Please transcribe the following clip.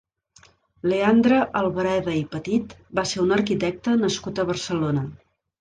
Leandre Albareda i Petit va ser un arquitecte nascut a Barcelona.